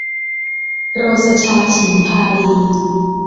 โรสชา ฉิมพาลี